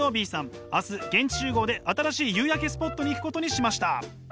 明日現地集合で新しい夕焼けスポットに行くことにしました。